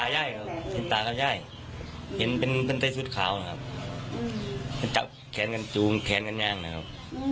เห็นตากับยายเห็นเป็นเป็นใส่ชุดขาวนะครับ